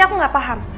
aku gak paham